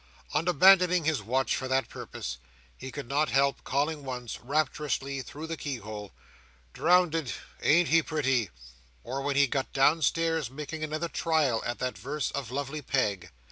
On abandoning his watch for that purpose, he could not help calling once, rapturously, through the keyhole, "Drownded. Ain't he, pretty?"—or, when he got downstairs, making another trial at that verse of Lovely Peg.